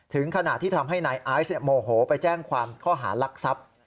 ขณะที่ทำให้นายไอซ์โมโหไปแจ้งความข้อหารักทรัพย์